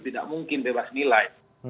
tidak mungkin bebas nilai